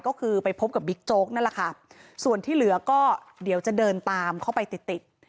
ก็คือไปพบกับบิ๊กโจ๊กนั่นแหละค่ะส่วนที่เหลือก็เดี๋ยวจะเดินตามเข้าไปติดติด